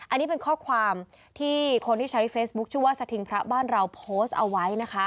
อันนี้เป็นข้อความที่คนที่ใช้เฟซบุ๊คชื่อว่าสถิงพระบ้านเราโพสต์เอาไว้นะคะ